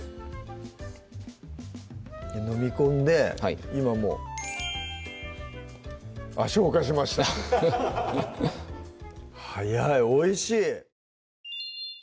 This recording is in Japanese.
のみ込んで今もうあっ消化しました早いおいしい！